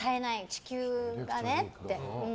地球がねって。